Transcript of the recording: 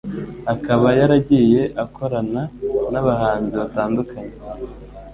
akaba yaragiye akorana n'abahanzi batandukanye